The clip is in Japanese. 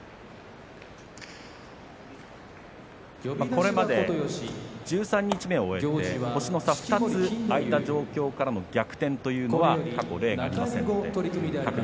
これまで十三日目を終えて星の差２つ開いた状況からの逆転というのは過去例がありません。